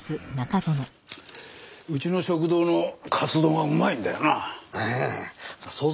うちの食堂のカツ丼はうまいんだよな。